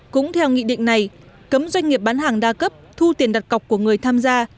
cũng theo nghị định này cấm doanh nghiệp bán hàng đa cấp thu tiền đặt cọc của người tham gia